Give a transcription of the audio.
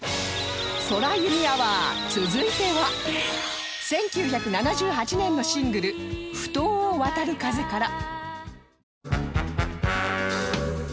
空ユミアワー続いては１９７８年のシングル『埠頭を渡る風』から